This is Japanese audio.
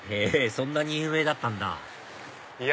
そんなに有名だったんだいや